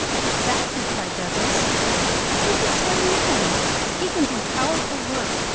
"Exactly!" cried Douglas. "But he can sway men! He can do powerful work.